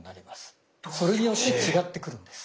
それによって違ってくるんです。